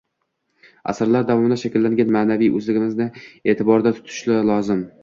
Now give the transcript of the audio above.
asrlar davomida shakllangan ma’naviy o‘zligimizni e’tiborda tutishi lozim.